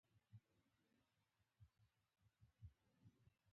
سهار ټول ویښ شول خو کاتب صاحب را ویښ نه شو.